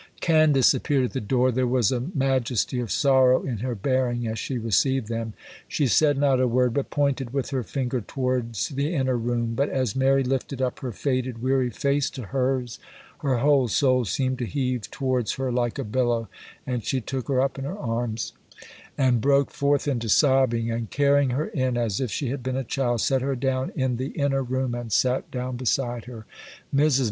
Candace appeared at the door. There was a majesty of sorrow in her bearing as she received them. She said not a word, but pointed with her finger towards the inner room; but as Mary lifted up her faded, weary face to hers, her whole soul seemed to heave towards her like a billow, and she took her up in her arms and broke forth into sobbing, and, carrying her in, as if she had been a child, set her down in the inner room and sat down beside her. Mrs.